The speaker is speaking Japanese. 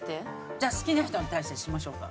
じゃあ好きな人に対してにしましょうか。